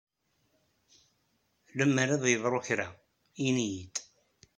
Lemmer ad yeḍru kra, ini-iyi-d.